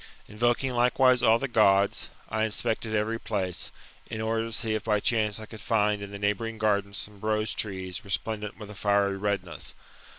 Invoking likewise all the. Gods, I inspected every place, in order to see if by chance I could find in the neighbouring gardens some rose trees resplendent with a fiery redness.